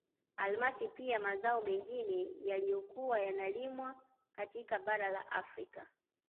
Almasi pia mazao mengine yaliyokuwa yanalimwa katika bara la Afrika